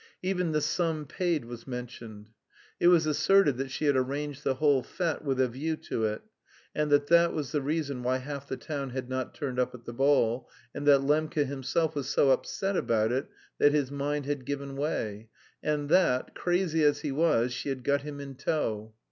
Even the sum paid was mentioned. It was asserted that she had arranged the whole fête with a view to it, and that that was the reason why half the town had not turned up at the ball, and that Lembke himself was so upset about it that "his mind had given way," and that, crazy as he was, "she had got him in tow."